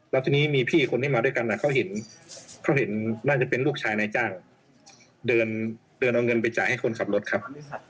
แล้วทีนี้มีพี่คนที่มาด้วยกันเขาเห็นเขาเห็นน่าจะเป็นลูกชายนายจ้างเดินเอาเงินไปจ่ายให้คนขับรถครับ